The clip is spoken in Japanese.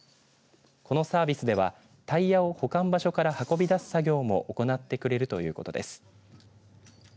このサービスではタイヤを保管場所から運び出す作業も行ってくれるということです。